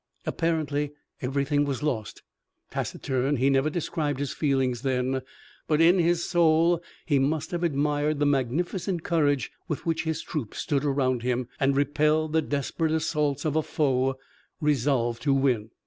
Apparently everything was lost. Taciturn, he never described his feelings then, but in his soul he must have admired the magnificent courage with which his troops stood around him, and repelled the desperate assaults of a foe resolved to win.